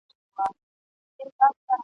بوه لور ورته ناروغه سوه او مړه سوه !.